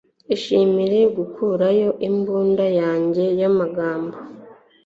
Ishimire gukurayo imbunda yanjye yamagambo